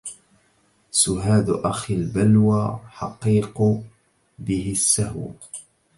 سهاد أخي البلوى حقيق به السهو